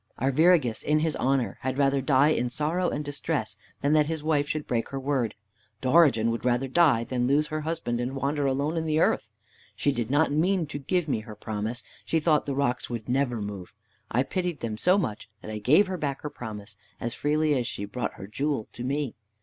"Arviragus in his honor had rather die in sorrow and distress than that his wife should break her word. Dorigen would rather die than lose her husband and wander alone on the earth. She did not mean to give me her promise. She thought the rocks would never move. I pitied them so much that I gave her back her promise as freely as she brought her jewel to me.